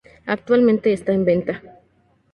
Actualmente esta en venta.